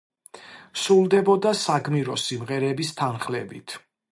სრულდებოდა საგმირო სიმღერების თანხლებით.